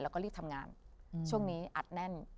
แล้วก็รีบทำงานช่วงนี้อัดแน่น